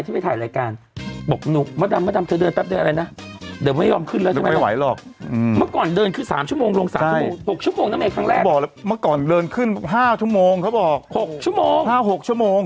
เหมือนกว่าบอกยังไงเธอก็เดินขึ้นไม่ถึงถาดลบ